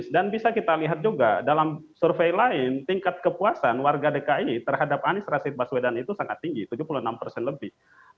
dan bisa kita lihat juga dalam survei lain tingkat kepuasan warga dki terhadap anies rasid baswedan itu sangat tinggi tujuh puluh enam persen lebih